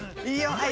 はい。